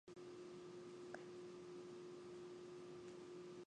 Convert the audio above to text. You’ve played me an ill turn, Heathcliff!